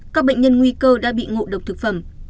các bệnh nhân nguy cơ đã bị ngộ độc thực phẩm